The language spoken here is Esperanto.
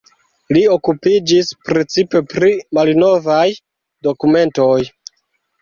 Li okupiĝis precipe pri malnovaj dokumentoj.